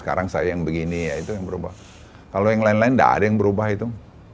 kalau yang lain lain nggak ada yang berubah itu